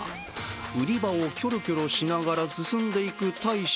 売り場をキョロキョロしながら進んでいく大使